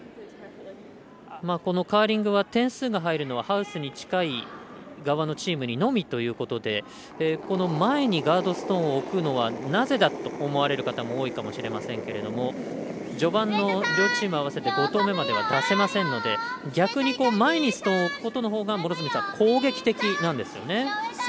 このカーリングは点数が入るのはハウスに近い側のチームにのみということでこの前にガードストーンを置くのはなぜだと思われる方も多いかもしれませんけれども序盤の両チーム合わせて５投目までは出せませんので逆に前にストーンを置くことのほうが攻撃的なんですよね。